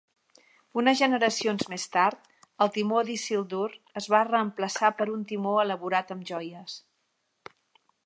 Unes generacions més tard, el timó d'Isildur es va reemplaçar per un timó elaborat amb joies.